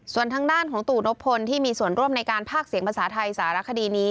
ส่วนทางด้านของตู่นพลที่มีส่วนร่วมในการภาคเสียงภาษาไทยสารคดีนี้